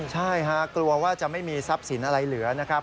ใช่ฮะกลัวว่าจะไม่มีทรัพย์สินอะไรเหลือนะครับ